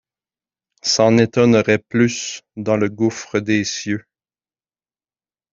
S’en étonneraient plus, dans le gouffre des cieux